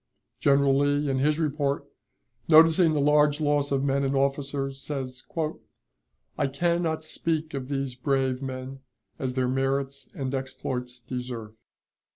General Lee, in his report, noticing the large loss of men and officers, says: "I can not speak of these brave men as their merits and exploits deserve.